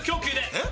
えっ？